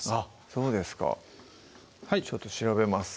そうですかちょっと調べます